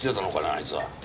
あいつは。